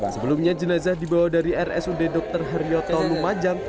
sebelumnya jenazah dibawa dari rsud dr heryoto lumajang